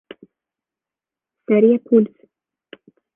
Serie Pulse.